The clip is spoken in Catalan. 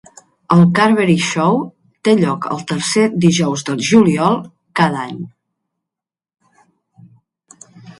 El Carbery Show té lloc el tercer dijous de juliol cada any.